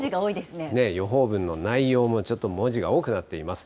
予報文の内容も、ちょっと文字が多くなっています。